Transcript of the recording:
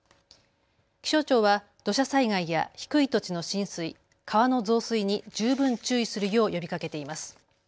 気象庁は土砂災害や低い土地の浸水、川の増水に十分注意するよう呼びかけています。